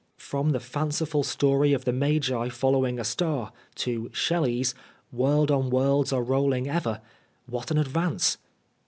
From the fanciful story of the Magi following a star to Shelley's " World on worlds are rolling ever, what an advance